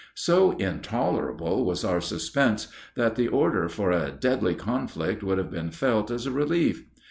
So intolerable was our suspense, that the order for a deadly conflict would have been felt as a relief.